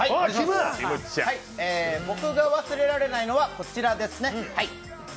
僕が忘れられないのはこちらですね。